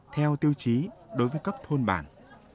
theo tiêu chí đối với các thôn bản